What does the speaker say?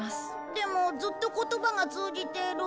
でもずっと言葉が通じてる。